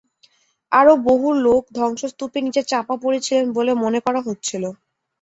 আরও বহু লোক ধ্বংসস্তূপের নিচে চাপা পড়ে ছিলেন বলে মনে করা হচ্ছিল।